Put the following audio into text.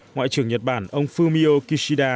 ngoại trưởng nhật bản ông fumio kishida